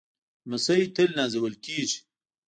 لمسی تل نازول کېږي.